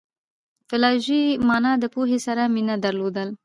فلالوژي مانا د پوهي سره مینه درلودل دي.